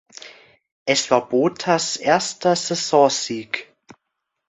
Es war Bottas’ erster Saisonsieg.